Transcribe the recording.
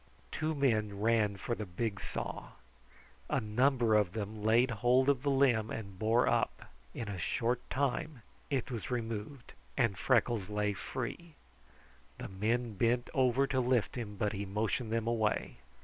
Two men ran for the big saw. A number of them laid hold of the limb and bore up. In a short time it was removed, and Freckles lay free. The men bent over to lift him, but he motioned them away.